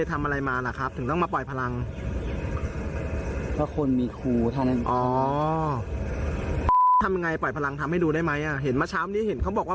ท่าปล่อยพลังทำให้ดูได้ไหมอ่ะเห็นมาเช้านี้เห็นเขาบอกว่า